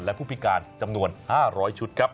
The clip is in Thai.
และผู้พิการจำนวน๕๐๐ชุดครับ